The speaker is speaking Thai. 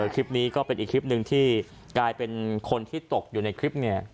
คลิปนี้ก็เป็นอีกคลิปหนึ่งที่กลายเป็นคนที่ตกอยู่ในคลิปเนี่ย